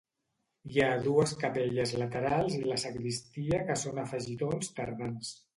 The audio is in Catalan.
Hi ha dues capelles laterals i la sagristia que són afegitons tardans.